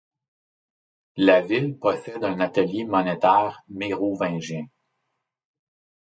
La ville possède un atelier monétaire mérovingien.